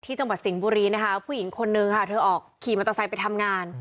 จังหวัดสิงห์บุรีนะคะผู้หญิงคนนึงค่ะเธอออกขี่มอเตอร์ไซค์ไปทำงาน